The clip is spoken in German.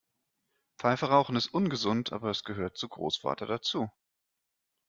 Pfeife rauchen ist ungesund, aber es gehört zu Großvater dazu.